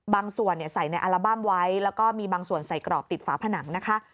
บางส่วนใส่ในอัลบั้มไว้แล้วก็มีบางส่วนใส่กรอบติดฝาผนังนะคะ